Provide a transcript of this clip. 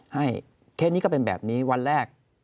ให้เคล็ดนี้ก็เป็นแบบนี้วันแรก